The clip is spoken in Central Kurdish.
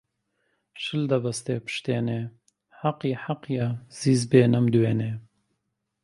شل دەبەستێ پشتێنێ حەقیە حەقیە زیز بێ نەمدوێنێ